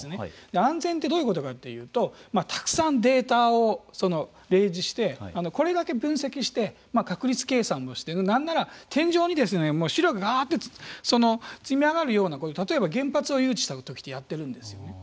安全ってどういうことかというとたくさんデータを例示してこれだけ分析して確率計算をして何なら天井に資料が積み上がるような例えば原発を誘致したときってやっているんですね。